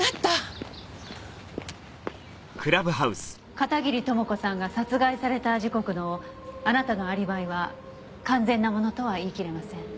片桐朋子さんが殺害された時刻のあなたのアリバイは完全なものとは言い切れません。